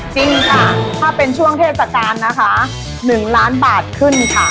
จริงค่ะถ้าเป็นช่วงเทศกาลนะคะ๑ล้านบาทขึ้นค่ะ